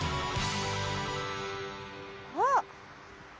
あっ！